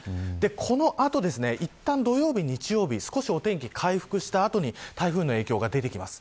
この後いったん土曜日、日曜日少しお天気回復した後に台風の影響が出てきます。